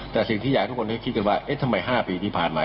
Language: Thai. แต่สิ่งที่อยากให้ทุกคนได้คิดกันว่าเอ๊ะทำไม๕ปีที่ผ่านมา